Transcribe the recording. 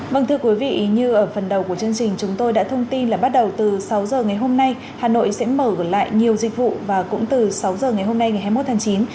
vâng thưa quý vị như ở phần đầu của chương trình chúng tôi đã thông tin là bắt đầu từ sáu h ngày hôm nay hà nội sẽ mở lại nhiều dịch vụ và cũng từ sáu h ngày hôm nay ngày hai mươi một tháng chín